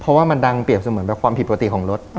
เพราะว่ามันดังเปรียบเสมือนแบบความผิดปกติของรถ